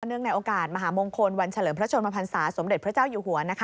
ในโอกาสมหามงคลวันเฉลิมพระชนมพันศาสมเด็จพระเจ้าอยู่หัว